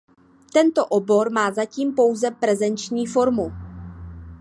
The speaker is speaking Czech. Tento obor má zatím pouze prezenční formu.